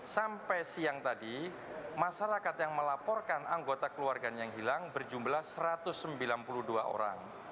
sampai siang tadi masyarakat yang melaporkan anggota keluarganya yang hilang berjumlah satu ratus sembilan puluh dua orang